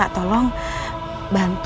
aku siap ngebantu